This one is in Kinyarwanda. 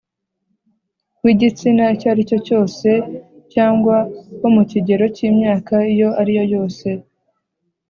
w’igitsina icyo ari cyo cyose cyangwa wo mu kigero cy’imyaka iyo ari yo yose